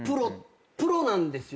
「プロなんですよ